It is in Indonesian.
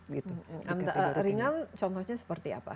yang ringan contohnya seperti apa